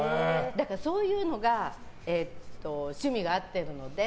そういうのが趣味が合ってるので。